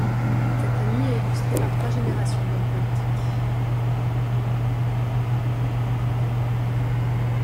Cette famille est illustrée par trois générations d'hommes politiques.